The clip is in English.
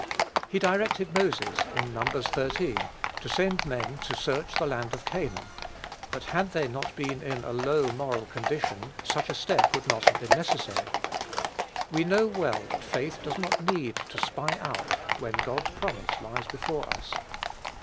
He directed Moses, in Num. xiii. to send men to search the land of Canaan; but had they not been in a low moral condition such a step would not have been necessary. We know well that faith does not need "to spy out" when God's promise lies before us.